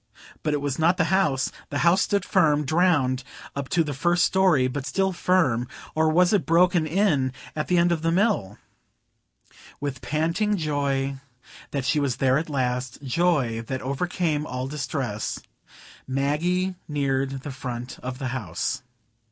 But it was not the house,—the house stood firm; drowned up to the first story, but still firm,—or was it broken in at the end toward the Mill? With panting joy that she was there at last,—joy that overcame all distress,—Maggie neared the front of the house.